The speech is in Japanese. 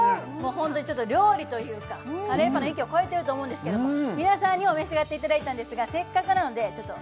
ホントに料理というかカレーパンの域を超えてると思うんですけども皆さんにも召し上がっていただいたんですがせっかくなのでダイアン津田さんにも